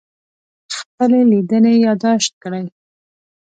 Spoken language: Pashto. خپلې لیدنې یادداشت کړئ.